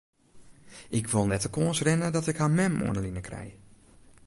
Ik wol net de kâns rinne dat ik har mem oan 'e line krij.